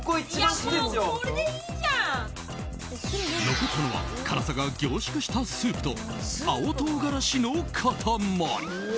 残ったのは辛さが凝縮したスープと青唐辛子の塊。